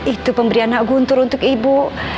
itu pemberian hak guntur untuk ibu